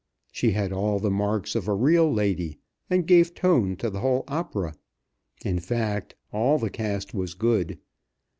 She had all the marks of a real lady, and gave tone to the whole opera. In fact, all the cast was good.